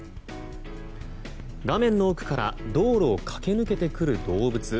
画面の奥から道路を駆け抜けてくる動物。